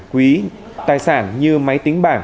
quý tài sản như máy tính bảng